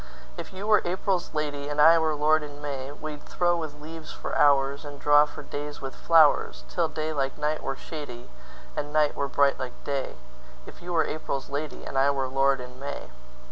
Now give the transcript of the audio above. If you were April's lady, And I were lord in May, We'd throw with leaves for hoursAnd draw for days with flowers, Till day like night were shadyAnd night were bright like day; If you were April's lady, And I were lord in May.